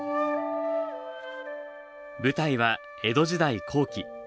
舞台は江戸時代後期。